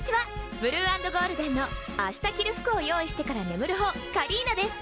ブルー＆ゴールデンの明日着る服を用意してから眠るほうカリーナです。